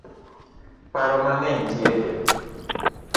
Paro mang'eny tieke